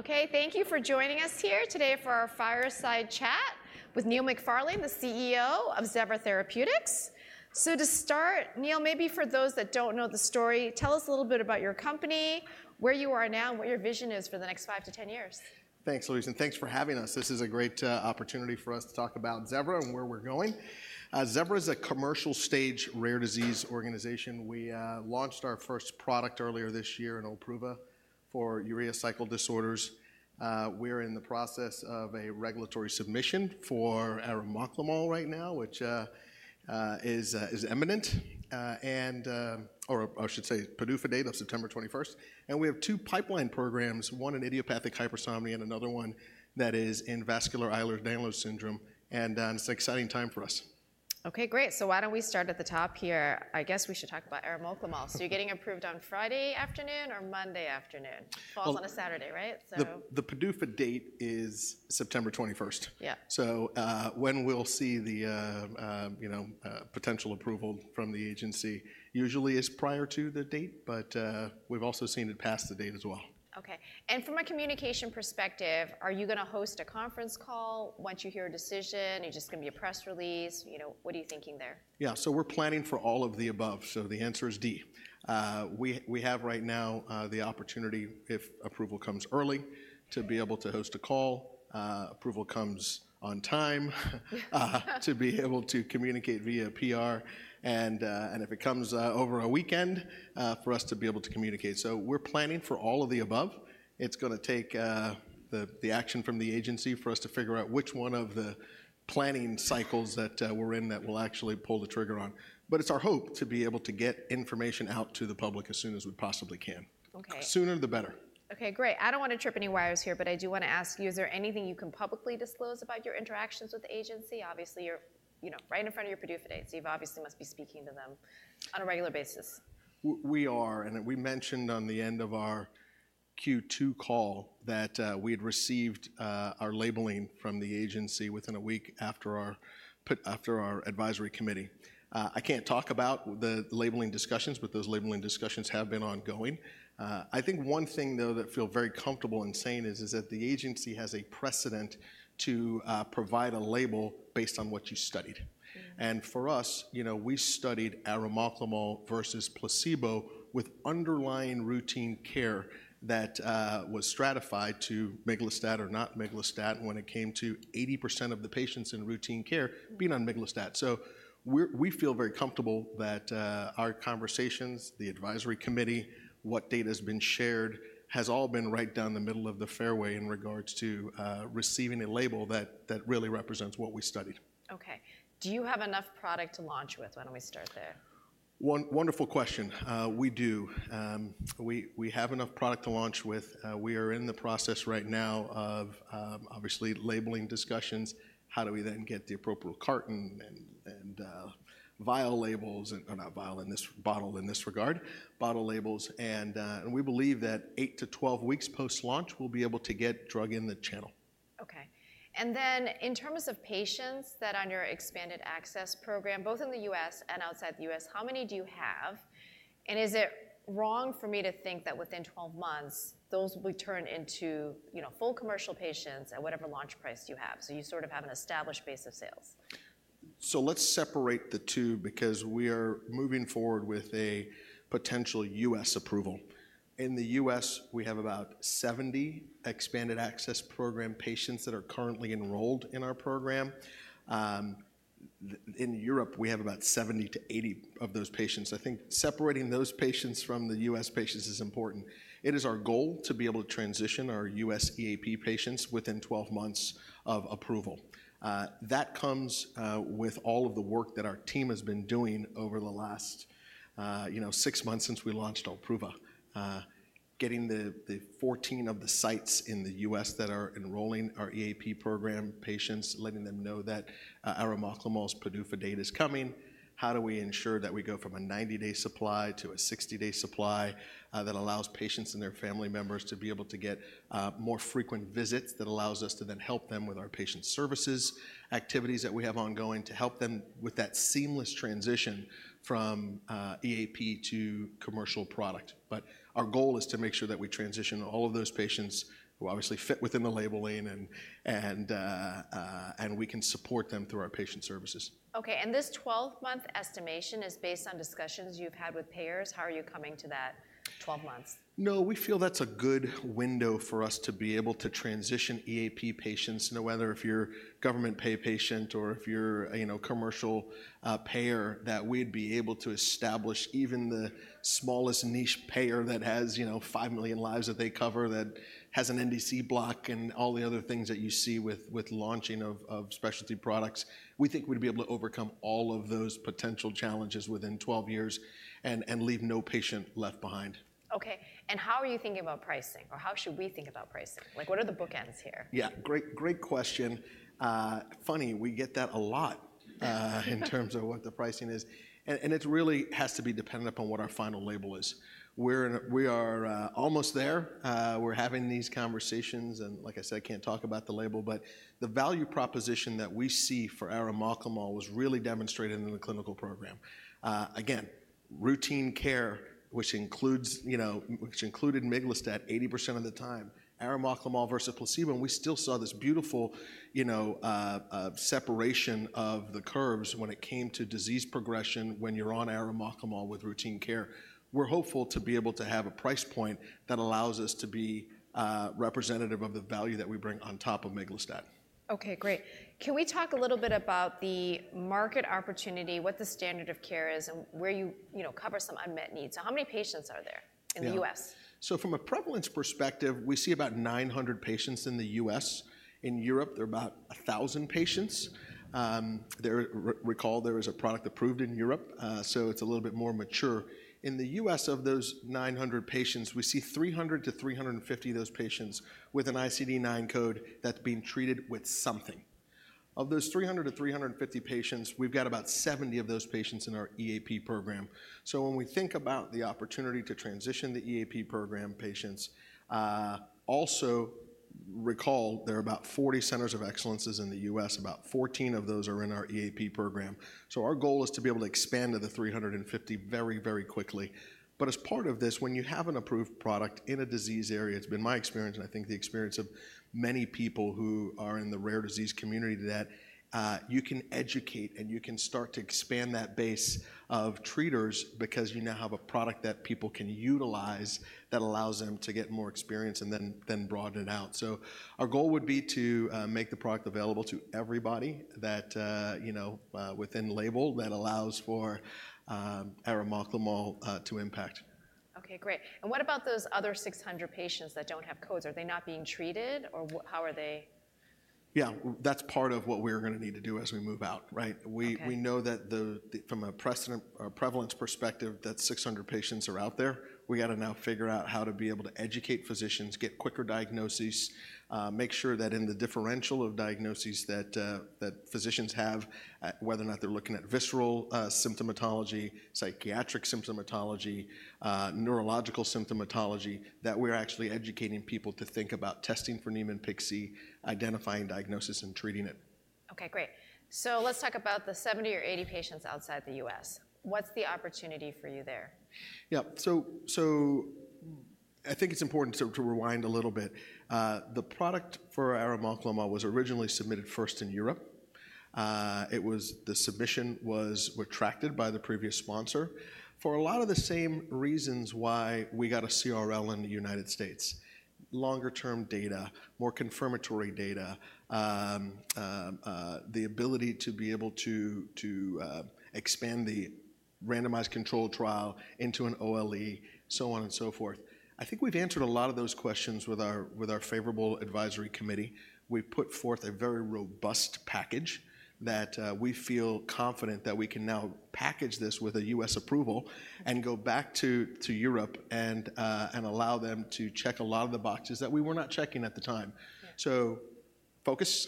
Okay, thank you for joining us here today for our fireside chat with Neil McFarlane, the CEO of Zevra Therapeutics. So to start, Neil, maybe for those that don't know the story, tell us a little bit about your company, where you are now, and what your vision is for the next five to ten years. Thanks, Louise, and thanks for having us. This is a great opportunity for us to talk about Zevra and where we're going. Zevra is a commercial-stage rare disease organization. We launched our first product earlier this year, OLPRUVA, for urea cycle disorders. We're in the process of a regulatory submission for arimoclomol right now, which is imminent, or I should say PDUFA date of September 21st. We have two pipeline programs, one in idiopathic hypersomnia and another one that is in vascular Ehlers-Danlos syndrome, and it's an exciting time for us. Okay, great. So why don't we start at the top here? I guess we should talk about arimoclomol. So you're getting approved on Friday afternoon or Monday afternoon? Well- Falls on a Saturday, right? So- The PDUFA date is September 21st. Yeah. When we'll see the, you know, potential approval from the agency usually is prior to the date, but we've also seen it past the date as well. Okay. And from a communication perspective, are you gonna host a conference call once you hear a decision? Is it just gonna be a press release? You know, what are you thinking there? Yeah, so we're planning for all of the above, so the answer is D. We have right now the opportunity, if approval comes early, to be able to host a call. Approval comes on time to be able to communicate via PR, and if it comes over a weekend, for us to be able to communicate. So we're planning for all of the above. It's gonna take the action from the agency for us to figure out which one of the planning cycles that we're in that we'll actually pull the trigger on. But it's our hope to be able to get information out to the public as soon as we possibly can. Okay. The sooner, the better. Okay, great. I don't wanna trip any wires here, but I do wanna ask you, is there anything you can publicly disclose about your interactions with the agency? Obviously, you're, you know, right in front of your PDUFA date, so you've obviously must be speaking to them on a regular basis. We are, and we mentioned on the end of our Q2 call that we had received our labeling from the agency within a week after our Advisory Committee. I can't talk about the labeling discussions, but those labeling discussions have been ongoing. I think one thing, though, that I feel very comfortable in saying is that the agency has a precedent to provide a label based on what you studied. For us, you know, we studied arimoclomol versus placebo with underlying routine care that was stratified to miglustat or not miglustat when it came to 80% of the patients in routine care being on miglustat. So we feel very comfortable that our conversations, the advisory committee, what data has been shared, has all been right down the middle of the fairway in regards to receiving a label that really represents what we studied. Okay. Do you have enough product to launch with? Why don't we start there? One wonderful question. We do. We have enough product to launch with. We are in the process right now of obviously labeling discussions. How do we then get the appropriate carton and vial labels, or not vial in this bottle in this regard, bottle labels, and we believe that eight to 12 weeks post-launch, we'll be able to get drug in the channel. Okay. And then in terms of patients that are on your expanded access program, both in the U.S. and outside the U.S., how many do you have? And is it wrong for me to think that within twelve months, those will turn into, you know, full commercial patients at whatever launch price you have, so you sort of have an established base of sales? So let's separate the two because we are moving forward with a potential U.S. approval. In the U.S., we have about 70 expanded access program patients that are currently enrolled in our program. In Europe, we have about 70-80 of those patients. I think separating those patients from the U.S. patients is important. It is our goal to be able to transition our U.S. EAP patients within 12 months of approval. That comes with all of the work that our team has been doing over the last, you know, 6 months since we launched OLPRUVA. Getting the 14 of the sites in the U.S. that are enrolling our EAP program patients, letting them know that arimoclomol's PDUFA date is coming. How do we ensure that we go from a ninety-day supply to a sixty-day supply, that allows patients and their family members to be able to get more frequent visits, that allows us to then help them with our patient services, activities that we have ongoing, to help them with that seamless transition from EAP to commercial product? But our goal is to make sure that we transition all of those patients who obviously fit within the labeling and we can support them through our patient services. Okay, and this 12-month estimation is based on discussions you've had with payers. How are you coming to that 12 months? No, we feel that's a good window for us to be able to transition EAP patients, know whether if you're a government pay patient or if you're, you know, a commercial payer, that we'd be able to establish even the smallest niche payer that has, you know, five million lives that they cover, that has an NDC block and all the other things that you see with launching of specialty products. We think we'd be able to overcome all of those potential challenges within 12 years and leave no patient left behind. Okay, and how are you thinking about pricing, or how should we think about pricing? Like, what are the bookends here? Yeah, great, great question. Funny, we get that a lot in terms of what the pricing is. And it really has to be dependent upon what our final label is. We are almost there. We're having these conversations, and like I said, I can't talk about the label, but the value proposition that we see for arimoclomol was really demonstrated in the clinical program. Again, routine care, which includes, you know, which included miglustat 80% of the time, arimoclomol versus placebo, and we still saw this beautiful, you know, separation of the curves when it came to disease progression when you're on arimoclomol with routine care. We're hopeful to be able to have a price point that allows us to be representative of the value that we bring on top of miglustat. Okay, great. Can we talk a little bit about the market opportunity, what the standard of care is, and where you, you know, cover some unmet needs? So how many patients are there? Yeah. in the U.S.? So from a prevalence perspective, we see about nine hundred patients in the U.S. In Europe, there are about a thousand patients. Recall, there is a product approved in Europe, so it's a little bit more mature. In the U.S., of those nine hundred patients, we see three hundred to three hundred and fifty of those patients with an ICD-9 code that's being treated with something. Of those three hundred to three hundred and fifty patients, we've got about seventy of those patients in our EAP program. So when we think about the opportunity to transition the EAP program patients, also recall there are about 40 centers of excellence in the U.S., about 14 of those are in our EAP program. So our goal is to be able to expand to the 350 very, very quickly. But as part of this, when you have an approved product in a disease area, it's been my experience, and I think the experience of many people who are in the rare disease community, that you can educate and you can start to expand that base of treaters because you now have a product that people can utilize that allows them to get more experience and then broaden it out. So our goal would be to make the product available to everybody that you know within label that allows for arimoclomol to impact. Okay, great. And what about those other six hundred patients that don't have codes? Are they not being treated, or how are they...? Yeah, that's part of what we're gonna need to do as we move out, right? Okay. We know that from a prevalence perspective, that 600 patients are out there. We got to now figure out how to be able to educate physicians, get quicker diagnoses, make sure that in the differential of diagnoses that physicians have, whether or not they're looking at visceral symptomatology, psychiatric symptomatology, neurological symptomatology, that we're actually educating people to think about testing for Niemann-Pick C, identifying diagnosis, and treating it. Okay, great. So let's talk about the 70 or 80 patients outside the U.S. What's the opportunity for you there? Yeah. So I think it's important to rewind a little bit. The product for arimoclomol was originally submitted first in Europe. It was... The submission was retracted by the previous sponsor for a lot of the same reasons why we got a CRL in the United States: longer-term data, more confirmatory data, the ability to expand the randomized control trial into an OLE, so on and so forth. I think we've answered a lot of those questions with our favorable Advisory Committee. We've put forth a very robust package that we feel confident that we can now package this with a US approval and go back to Europe and allow them to check a lot of the boxes that we were not checking at the time. Yeah. Focus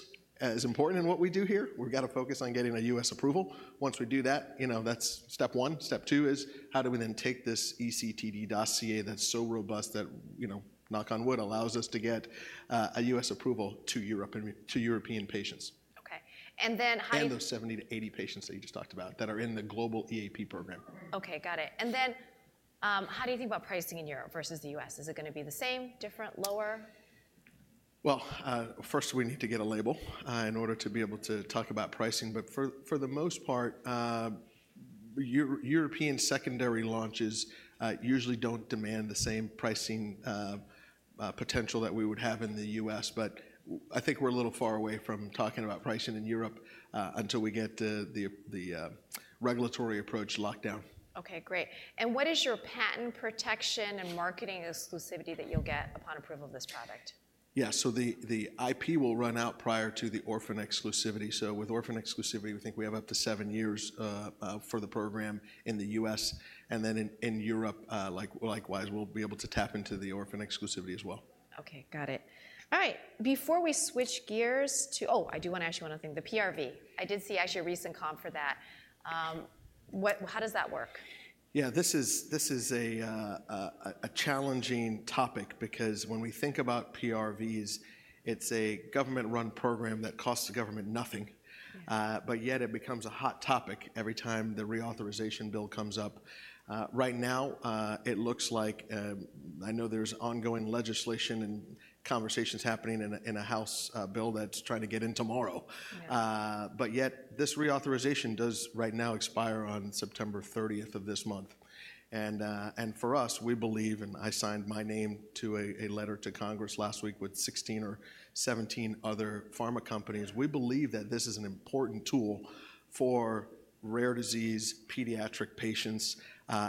is important in what we do here. We've got to focus on getting a U.S. approval. Once we do that, you know, that's step one. Step two is, how do we then take this eCTD dossier that's so robust that, you know, knock on wood, allows us to get a U.S. approval to Europe and to European patients? Okay. And then how- Those 70-80 patients that you just talked about that are in the global EAP program. Okay, got it. And then, how do you think about pricing in Europe versus the U.S.? Is it gonna be the same, different, lower? First we need to get a label in order to be able to talk about pricing. But for the most part, European secondary launches usually don't demand the same pricing potential that we would have in the U.S., but I think we're a little far away from talking about pricing in Europe until we get the regulatory approach locked down. Okay, great. And what is your patent protection and marketing exclusivity that you'll get upon approval of this product? Yeah, so the IP will run out prior to the orphan exclusivity. So with orphan exclusivity, we think we have up to seven years for the program in the U.S., and then in Europe, likewise, we'll be able to tap into the orphan exclusivity as well. Okay, got it. All right. Before we switch gears to... Oh, I do wanna ask you one more thing, the PRV. I did see actually a recent comp for that. How does that work? Yeah, this is a challenging topic because when we think about PRVs, it's a government-run program that costs the government nothing. Yeah. But yet it becomes a hot topic every time the reauthorization bill comes up. Right now, it looks like I know there's ongoing legislation and conversations happening in a House bill that's trying to get in tomorrow. Yeah. But yet this reauthorization does right now expire on September thirtieth of this month. And for us, we believe, and I signed my name to a letter to Congress last week with 16 or 17 other pharma companies. We believe that this is an important tool for rare disease, pediatric patients,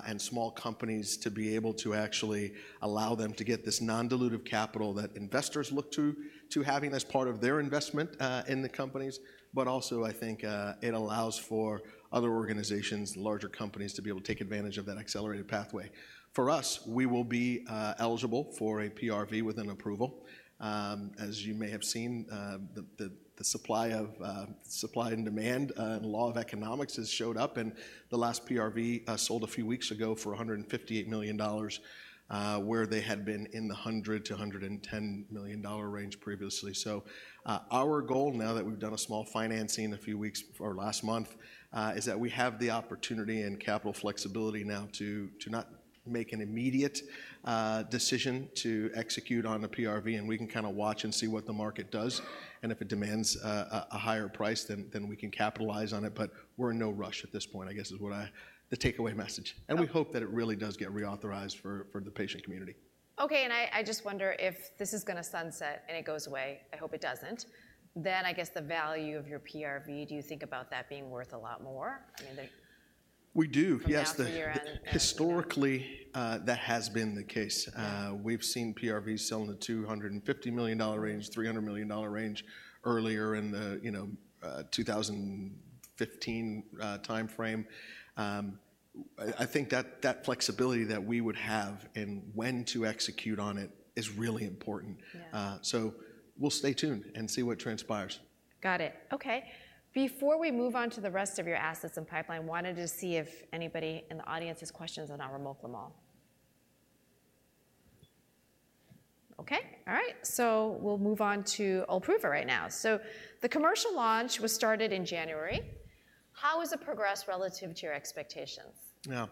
and small companies to be able to actually allow them to get this non-dilutive capital that investors look to, to having as part of their investment in the companies. But also, I think, it allows for other organizations, larger companies, to be able to take advantage of that accelerated pathway. For us, we will be eligible for a PRV with an approval. As you may have seen, the supply and demand, and law of economics has showed up, and the last PRV sold a few weeks ago for $158 million, where they had been in the $100 million-$110 million range previously. So, our goal now that we've done a small financing a few weeks or last month, is that we have the opportunity and capital flexibility now to not make an immediate decision to execute on the PRV, and we can kind of watch and see what the market does. And if it demands a higher price, then we can capitalize on it. But we're in no rush at this point, I guess is what I the takeaway message. We hope that it really does get reauthorized for the patient community. Okay, and I just wonder if this is going to sunset, and it goes away, I hope it doesn't, then I guess the value of your PRV, do you think about that being worth a lot more? I mean, the- We do. Yes- From now, from here on, and- Historically, that has been the case. Yeah. We've seen PRV sell in the $250 million dollar range, $300 million dollar range earlier in the, you know, 2015 timeframe. I think that flexibility that we would have in when to execute on it is really important. Yeah. So we'll stay tuned and see what transpires. Got it. Okay. Before we move on to the rest of your assets and pipeline, wanted to see if anybody in the audience has questions on arimoclomol. Okay. All right, so we'll move on to OLPRUVA right now. So the commercial launch was started in January. How has it progressed relative to your expectations? Yeah.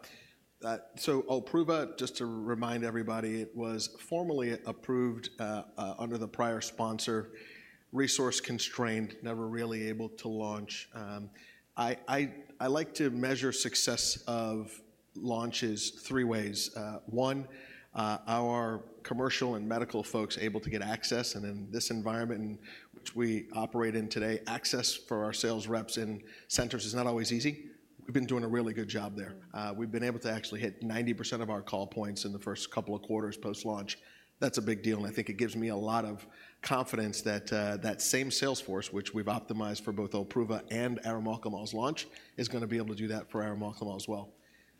So OLPRUVA, just to remind everybody, it was formally approved. I like to measure success of launches three ways. One, our commercial and medical folks able to get access, and in this environment in which we operate in today, access for our sales reps in centers is not always easy. We've been doing a really good job there. We've been able to actually hit 90% of our call points in the first couple of quarters post-launch. That's a big deal, and I think it gives me a lot of confidence that that same sales force, which we've optimized for both OLPRUVA and arimoclomol's launch, is going to be able to do that for arimoclomol as well.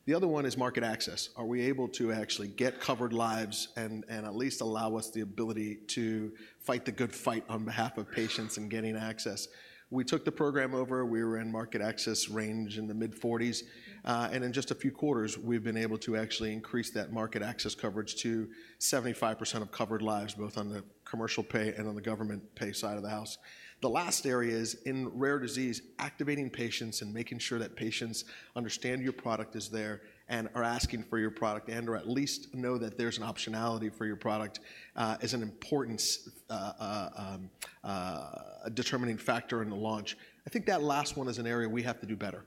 The other one is market access. Are we able to actually get covered lives and at least allow us the ability to fight the good fight on behalf of patients in getting access? We took the program over. We were in market access range in the mid-40s%. And in just a few quarters, we've been able to actually increase that market access coverage to 75% of covered lives, both on the commercial pay and on the government pay side of the house. The last area is in rare disease, activating patients and making sure that patients understand your product is there and are asking for your product and/or at least know that there's an optionality for your product, is an important determining factor in the launch. I think that last one is an area we have to do better.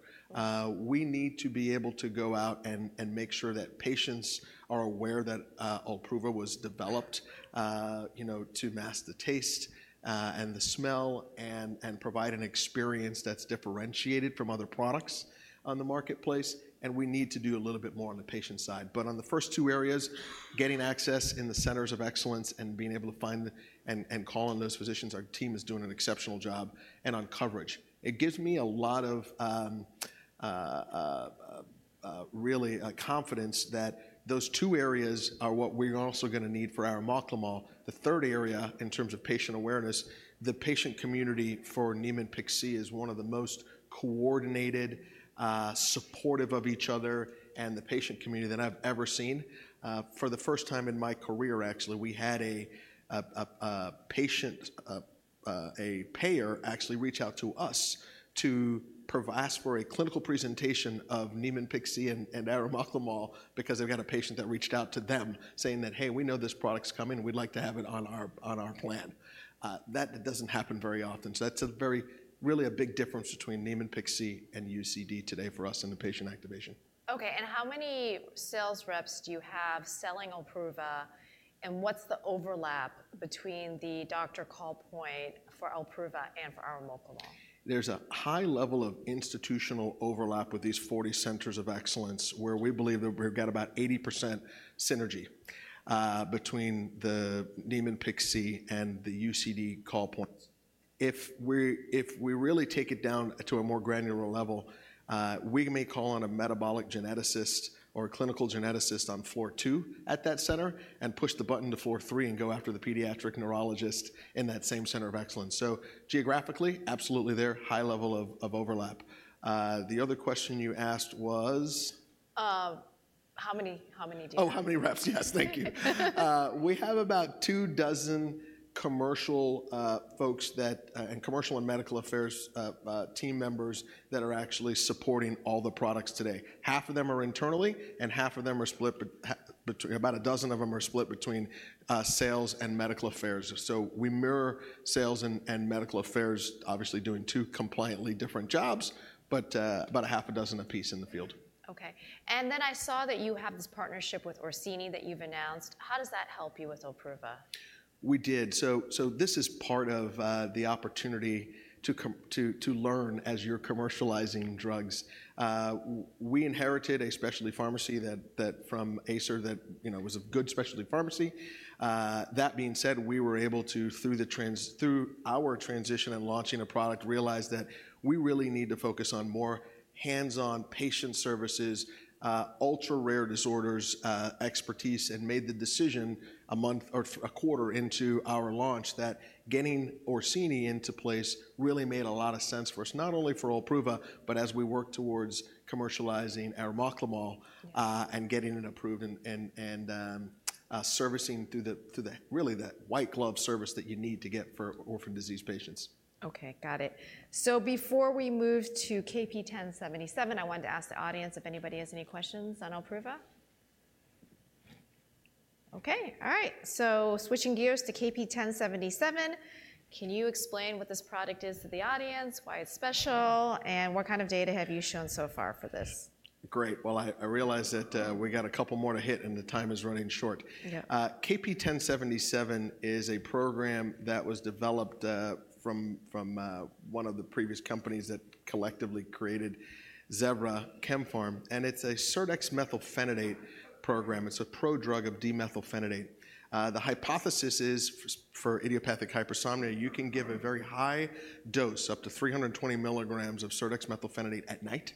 We need to be able to go out and make sure that patients are aware that OLPRUVA was developed, you know, to mask the taste and the smell and provide an experience that's differentiated from other products on the marketplace, and we need to do a little bit more on the patient side. But on the first two areas, getting access in the centers of excellence and being able to find and call on those physicians, our team is doing an exceptional job and on coverage. It gives me a lot of really confidence that those two areas are what we're also going to need for arimoclomol. The third area, in terms of patient awareness, the patient community for Niemann-Pick C is one of the most coordinated, supportive of each other and the patient community that I've ever seen. For the first time in my career, actually, we had a payer actually reach out to us to ask for a clinical presentation of Niemann-Pick C and arimoclomol because they've got a patient that reached out to them saying that, "Hey, we know this product's coming, and we'd like to have it on our plan." That doesn't happen very often. So that's a very, really a big difference between Niemann-Pick C and UCD today for us in the patient activation. Okay, and how many sales reps do you have selling OLPRUVA, and what's the overlap between the doctor call point for OLPRUVA and for arimoclomol? There's a high level of institutional overlap with these 40 centers of excellence, where we believe that we've got about 80% synergy between the Niemann-Pick C and the UCD call points. If we really take it down to a more granular level, we may call on a metabolic geneticist or a clinical geneticist on floor two at that center and push the button to floor three and go after the pediatric neurologist in that same center of excellence. So geographically, absolutely, there, high level of overlap. The other question you asked was? How many do you have? Oh, how many reps? Yes, thank you. We have about two dozen commercial folks, and commercial and medical affairs team members that are actually supporting all the products today. Half of them are internally, and half of them are split between sales and medical affairs. So we mirror sales and medical affairs, obviously doing two compliantly different jobs, but about a half a dozen a piece in the field. Okay. And then I saw that you have this partnership with Orsini that you've announced. How does that help you with OLPRUVA? We did. So this is part of the opportunity to learn as you're commercializing drugs. We inherited a specialty pharmacy that from Acer that, you know, was a good specialty pharmacy. That being said, we were able to, through our transition in launching a product, realize that we really need to focus on more hands-on patient services, ultra-rare disorders, expertise, and made the decision a month or a quarter into our launch that getting Orsini into place really made a lot of sense for us, not only for OLPRUVA, but as we work towards commercializing arimoclomol and getting it approved and servicing through the really the white glove service that you need to get for orphan disease patients. Okay, got it. So before we move to KP1077, I wanted to ask the audience if anybody has any questions on OLPRUVA? Okay. All right, so switching gears to KP1077, can you explain what this product is to the audience, why it's special, and what kind of data have you shown so far for this? Great. I realize that we got a couple more to hit, and the time is running short. Yeah. KP1077 is a program that was developed from one of the previous companies that collectively created Zevra, KemPharm, and it's a serdexmethylphenidate program. It's a prodrug of d-methylphenidate. The hypothesis is, for idiopathic hypersomnia, you can give a very high dose, up to 320 mg of serdexmethylphenidate at night,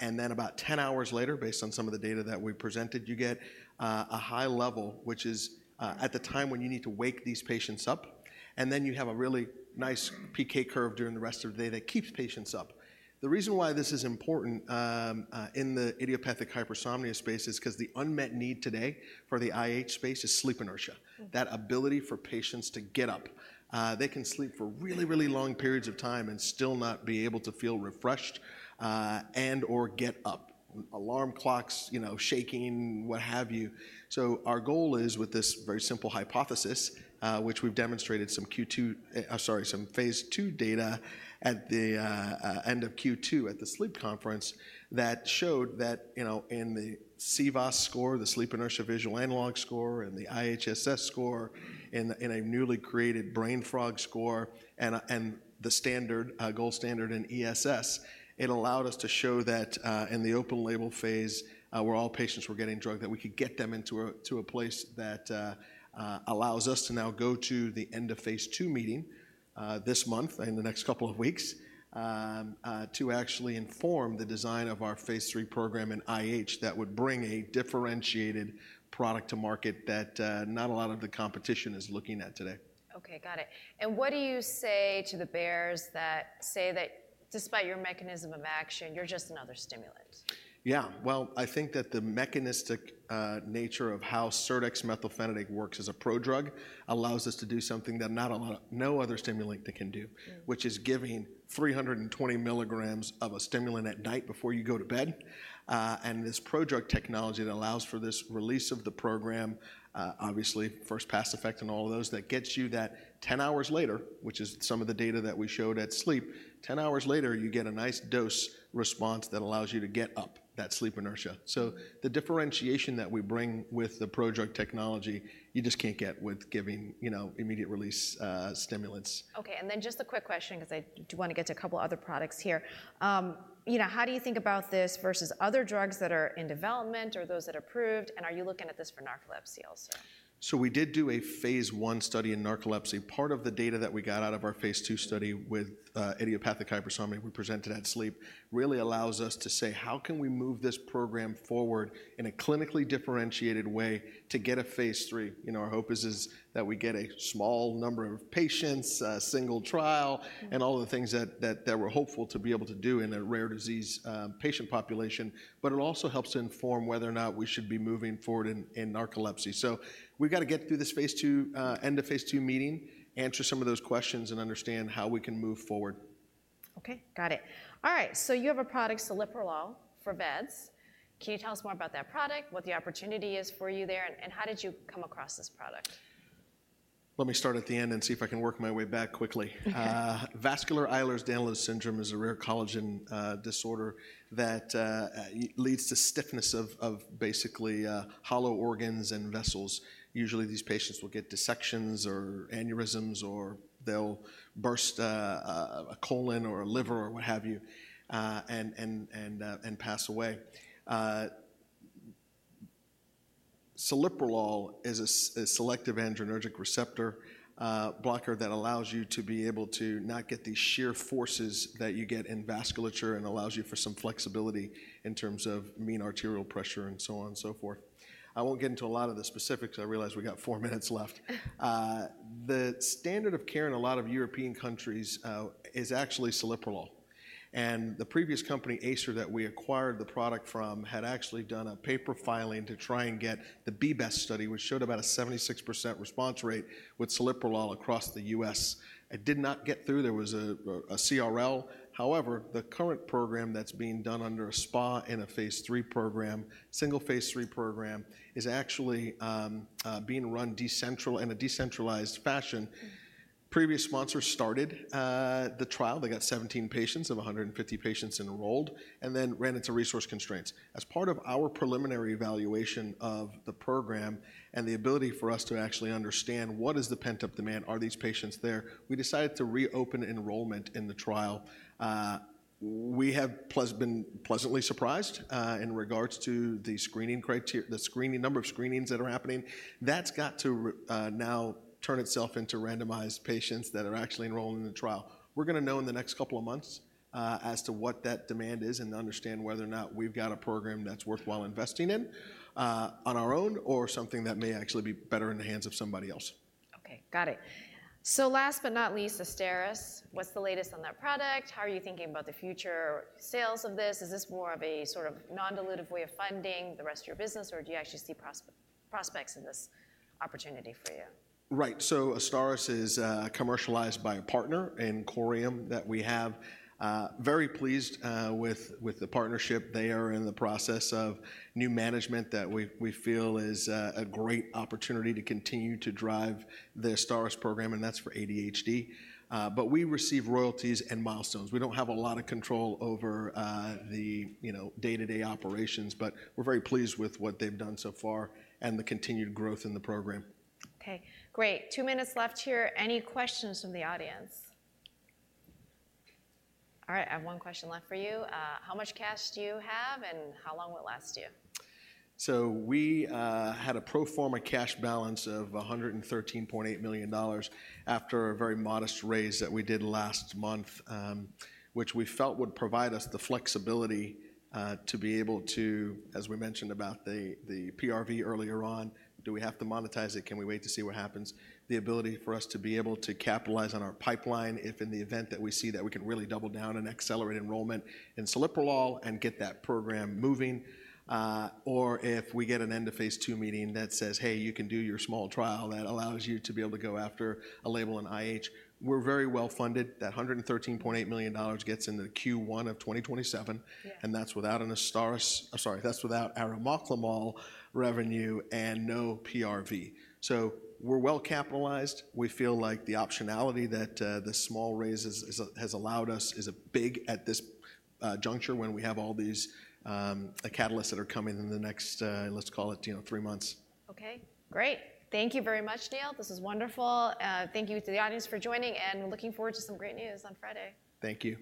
and then about 10 hours later, based on some of the data that we presented, you get a high level, which is at the time when you need to wake these patients up, and then you have a really nice PK curve during the rest of the day that keeps patients up. The reason why this is important in the idiopathic hypersomnia space is because the unmet need today for the IH space is sleep inertia. That ability for patients to get up. They can sleep for really, really long periods of time and still not be able to feel refreshed, and/or get up. Alarm clocks, you know, shaking, what have you. Our goal is, with this very simple hypothesis, which we've demonstrated—sorry—some phase II data at the end of Q2 at the Sleep Conference, that showed that, you know, in the SIVAS score, the Sleep Inertia Visual Analog Scale, and the IHSS score, in a newly created brain fog score, and the standard gold standard in ESS, it allowed us to show that, in the open label phase, where all patients were getting drugged, that we could get them into a place that allows us to now go to the end of phase II meeting, this month, in the next couple of weeks, to actually inform the design of our phase III program in IH, that would bring a differentiated product to market that not a lot of the competition is looking at today. Okay, got it. And what do you say to the bears that say that despite your mechanism of action, you're just another stimulant? Yeah. Well, I think that the mechanistic nature of how serdexmethylphenidate works as a prodrug allows us to do something that not a lot of... no other stimulant can do which is giving 320 mg of a stimulant at night before you go to bed. And this prodrug technology that allows for this release of the prodrug, obviously, first pass effect and all of those, that gets you that 10 hours later, which is some of the data that we showed at Sleep. 10 hours later, you get a nice dose response that allows you to get up, that sleep inertia. So the differentiation that we bring with the prodrug technology, you just can't get with giving, you know, immediate-release stimulants. Okay, and then just a quick question, because I do want to get to a couple of other products here. You know, how do you think about this versus other drugs that are in development or those that are approved, and are you looking at this for narcolepsy also? So we did do a phase I study in narcolepsy. Part of the data that we got out of our phase II study with idiopathic hypersomnia, we presented at Sleep, really allows us to say: How can we move this program forward in a clinically differentiated way to get a phase III? You know, our hope is that we get a small number of patients, a single trial and all of the things that we're hopeful to be able to do in a rare disease patient population. But it also helps to inform whether or not we should be moving forward in narcolepsy. So we've got to get through this end of phase II meeting, answer some of those questions, and understand how we can move forward. Okay, got it. All right, so you have a product, celiprolol, for vEDS. Can you tell us more about that product, what the opportunity is for you there, and how did you come across this product? Let me start at the end and see if I can work my way back quickly. Okay. Vascular Ehlers-Danlos syndrome is a rare collagen disorder that leads to stiffness of basically hollow organs and vessels. Usually, these patients will get dissections or aneurysms, or they'll burst a colon or a liver or what have you, and pass away. Celiprolol is a selective adrenergic receptor blocker that allows you to be able to not get the shear forces that you get in vasculature and allows you for some flexibility in terms of mean arterial pressure and so on and so forth. I won't get into a lot of the specifics. I realize we got four minutes left. The standard of care in a lot of European countries is actually celiprolol. And the previous company, Acer, that we acquired the product from, had actually done a paper filing to try and get the BBEST study, which showed about a 76% response rate with celiprolol across the US. It did not get through. There was a CRL. However, the current program that's being done under a SPA in a phase III program, single phase III program, is actually being run in a decentralized fashion. Previous sponsors started the trial. They got 17 patients of 150 patients enrolled and then ran into resource constraints. As part of our preliminary evaluation of the program and the ability for us to actually understand what is the pent-up demand, are these patients there, we decided to reopen enrollment in the trial. We have been pleasantly surprised in regards to the screening, number of screenings that are happening. That's got to now turn itself into randomized patients that are actually enrolled in the trial. We're gonna know in the next couple of months as to what that demand is and to understand whether or not we've got a program that's worthwhile investing in on our own, or something that may actually be better in the hands of somebody else. Okay, got it. So last but not least, AZSTARYS. What's the latest on that product? How are you thinking about the future sales of this? Is this more of a sort of non-dilutive way of funding the rest of your business, or do you actually see prospects in this opportunity for you? Right. So AZSTARYS is commercialized by a partner in Corium that we have. Very pleased with the partnership. They are in the process of new management that we feel is a great opportunity to continue to drive the AZSTARYS program, and that's for ADHD. But we receive royalties and milestones. We don't have a lot of control over the you know day-to-day operations, but we're very pleased with what they've done so far and the continued growth in the program. Okay, great. Two minutes left here. Any questions from the audience? All right, I have one question left for you. How much cash do you have, and how long will it last you? So we had a pro forma cash balance of $113.8 million after a very modest raise that we did last month, which we felt would provide us the flexibility to be able to, as we mentioned about the, the PRV earlier on, do we have to monetize it? Can we wait to see what happens? The ability for us to be able to capitalize on our pipeline, if in the event that we see that we can really double down and accelerate enrollment in celiprolol and get that program moving, or if we get an end of phase II meeting that says, "Hey, you can do your small trial," that allows you to be able to go after a label in IH. We're very well funded. That $113.8 million gets into the Q1 of 2027. Yeah. That's without AZSTARYS... Sorry, that's without arimoclomol revenue and no PRV. We're well capitalized. We feel like the optionality that the small raises has allowed us is a big asset at this juncture when we have all these catalysts that are coming in the next, let's call it, you know, three months. Okay, great. Thank you very much, Neil. This is wonderful. Thank you to the audience for joining, and we're looking forward to some great news on Friday. Thank you.